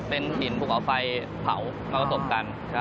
เป็นหินปลูกเอาไฟเผาแล้วก็ตบกัน